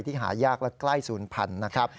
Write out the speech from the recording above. ที่หายากและใกล้๐๐๐๐นะครับ